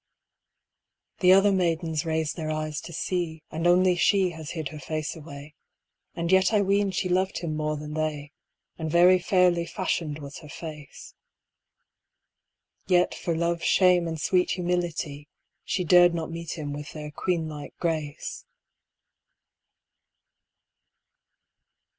The other maidens raised their eyes to see And only she has hid her face away, And yet I ween she loved him more than they, And very fairly fashioned was her face. Yet for Love's shame and sweet humility, She dared not meet him with their queenlike grace.